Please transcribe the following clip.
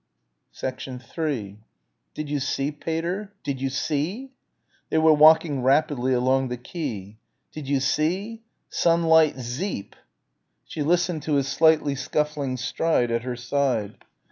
3 "Did you see, Pater; did you see?" They were walking rapidly along the quay. "Did you see? Sunlight Zeep!" She listened to his slightly scuffling stride at her side.